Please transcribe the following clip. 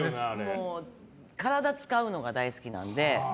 もう体を使うのが大好きなので。